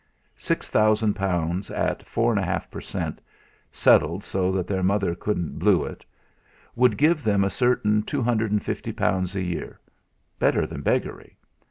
Six thousand pounds at four and a half per cent., settled so that their mother couldn't "blue it," would give them a certain two hundred and fifty pounds a year better than beggary.